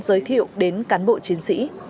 giới thiệu đến cán bộ chiến sĩ